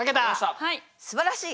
すばらしい！